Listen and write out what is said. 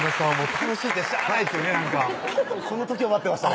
楽しいてしゃあないっていうねこの時を待ってました